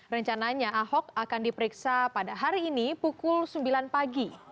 rencananya ahok akan diperiksa pada hari ini pukul sembilan pagi